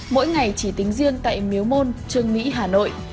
mỗi ngày chỉ tính riêng tại miếu môn trương mỹ hà nội